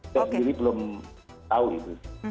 saya sendiri belum tahu itu